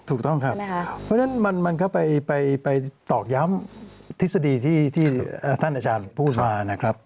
ถูกต้องครับเพราะฉะนั้นมันก็ไปตอกย้ำทฤษฎีที่ท่านอาจารย์พูดมานะครับ